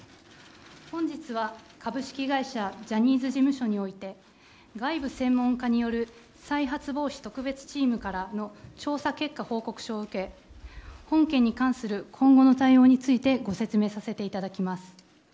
本日は株式会社ジャニーズ事務所において外部専門家による再発防止特別チームからの調査結果報告書を受け本件に関する今後の対応についてご説明させていただきます。